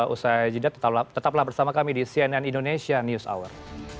usai jeda tetaplah bersama kami di cnn indonesia news hour